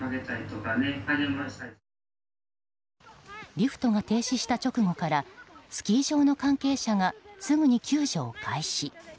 リフトが停止した直後からスキー場の関係者がすぐに救助を開始。